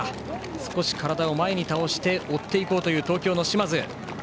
少し体を前に倒して追っていこうという東京の嶋津。